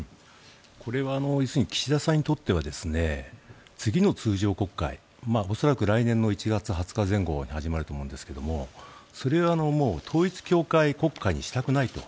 これは要するに岸田さんにとっては次の通常国会恐らく来年の１月２０日前後に始まると思うんですがそれは統一教会国会にしたくないと。